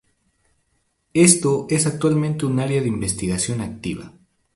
Esto es actualmente un área de investigación activa.